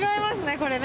これね